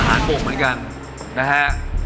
หารโบกฐานเหมือนกัน